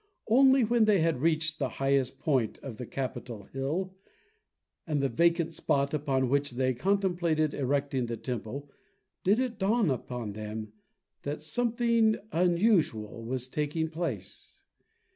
Only when they had reached the highest point of the Capitol Hill and the vacant spot upon which they contemplated erecting the temple, did it dawn upon them that something unusual was taking place.